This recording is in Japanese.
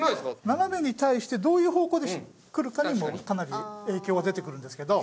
斜めに対してどういう方向で来るかにもかなり影響は出てくるんですけど。